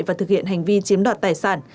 và thực hiện hành vi chiếm đoạt tài sản